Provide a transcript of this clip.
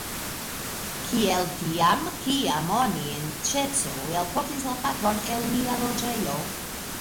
Kiel tiam, kiam oni en ĉerko elportis la patron el nia loĝejo.